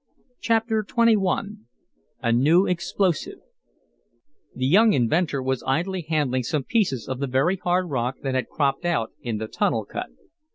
Chapter XXI A New Explosive The young inventor was idly handling some pieces of the very hard rock that had cropped out in the tunnel cut.